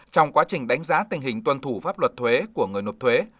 trong quá trình đánh giá tình hình tuân thủ pháp luật thuế của người nộp thuế